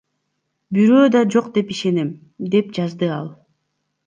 Бирөө да жок деп ишенем, — деп жазды ал.